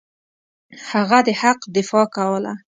هغه د حق دفاع کوله.